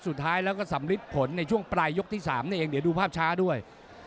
สุดท้ายแล้วก็สำริดผลในช่วงปลายยกที่๓นี่เองเดี๋ยวดูภาพช้าด้วย